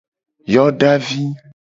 Yodavi.